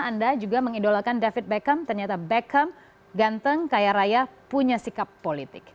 anda juga mengidolakan david beckham ternyata beckham ganteng kaya raya punya sikap politik